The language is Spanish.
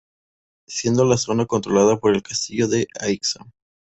Siendo la zona controlada por el Castillo de Aixa.